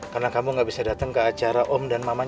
karena kamu gak bisa datang ke acara om dan mama ini